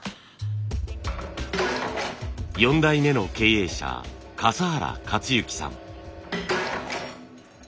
４代目の経営者笠原克之さん。